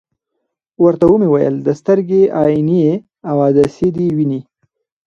ورته ومي ویل: د سترګي عینیې او عدسیې دي وینې ؟